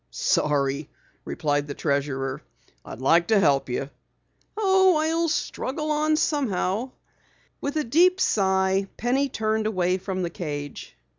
"Sorry," replied the treasurer. "I'd like to help you." "Oh, I'll struggle on somehow." With a deep sigh, Penny turned away from the cage.